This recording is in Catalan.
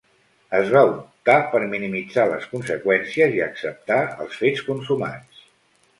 Es va optar per minimitzar les conseqüències i acceptar els fets consumats.